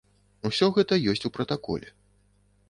Усё гэта ёсць у пратаколе.